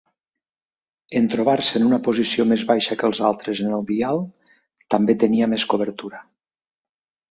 En trobar-se en una posició més baixa que els altres en el dial, també tenia més cobertura.